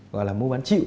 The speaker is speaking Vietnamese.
gọi là mua bán triệu